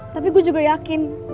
tapi gue juga yakin